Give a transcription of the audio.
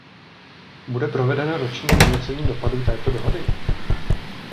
Bude provedeno roční hodnocení dopadů této dohody?